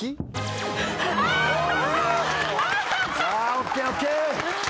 ＯＫＯＫ。